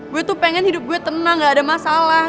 gue tuh pengen hidup gue tenang gak ada masalah